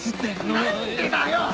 何でだよ！